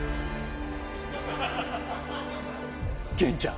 弦ちゃん。